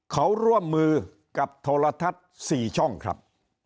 เขาร่วมมือกับโทรทัศน์๔ช่องครับ